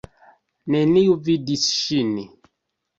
Neniu vidis ŝin.